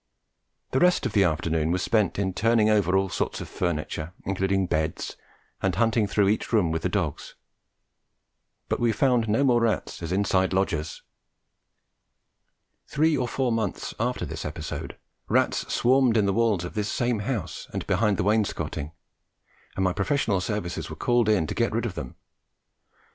The rest of the afternoon was spent in turning over all sorts of furniture, including beds, and hunting through each room with the dogs; but we found no more rats as inside lodgers. Three or four months after this episode, rats swarmed in the walls of this same house and behind the wainscoting, and my professional services were called in to get rid of them.